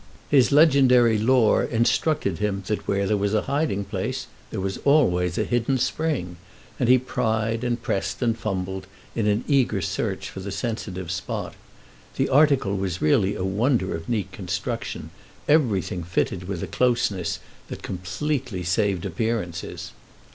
His legendary lore instructed him that where there was a hiding place there was always a hidden spring, and he pried and pressed and fumbled in an eager search for the sensitive spot. The article was really a wonder of neat construction; everything fitted with a closeness that completely saved appearances.